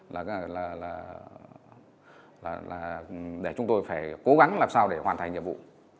là để chúng tôi phải cố gắng làm sao để hoàn thành nhiệm vụ